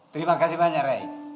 terima kasih banyak ray